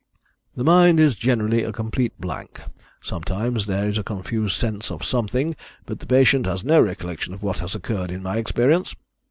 "The mind is generally a complete blank. Sometimes there is a confused sense of something, but the patient has no recollection of what has occurred, in my experience."